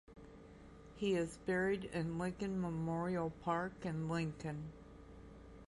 He is buried in Lincoln Memorial Park in Lincoln.